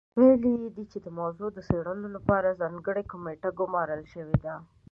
ویلي یې دي چې د موضوع د څېړلو لپاره ځانګړې کمېټه ګمارل شوې ده.